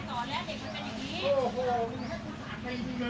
พ่อของแม่สอนแล้วเด็กมันกันอย่างนี้